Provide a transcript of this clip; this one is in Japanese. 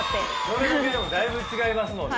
それだけでもだいぶ違いますもんね。